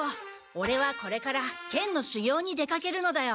オレはこれから剣のしゅぎょうに出かけるのだよ。